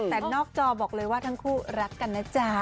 แต่นอกจอบอกเลยว่าทั้งคู่รักกันนะจ๊ะ